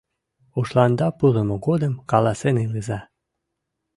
Ушланда пурымо годым каласен илыза.